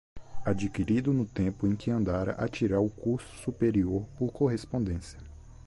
adquirido no tempo em que andara a tirar o curso superior por correspondência